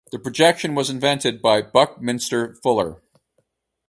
The projection was invented by Buckminster Fuller.